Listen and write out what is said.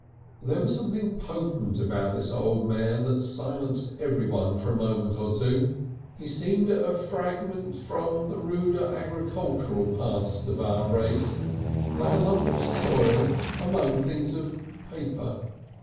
There was something potent about this old man that silenced everyone for a moment or so. He seemed a fragment from the ruder agricultural past of our race, like a lump of soil among things of paper.